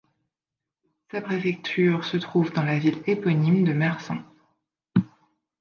Sa préfecture se trouve dans la ville éponyme de Mersin.